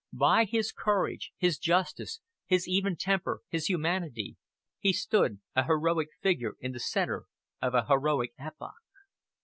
"By his courage, his justice, his even temper, his humanity, he stood a heroic figure in the centre of a heroic epoch."